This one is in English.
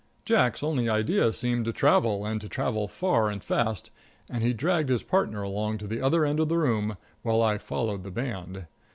Jack's only idea seemed to travel, and to travel far and fast, and he dragged his partner along to the other end of the room, while I followed the band.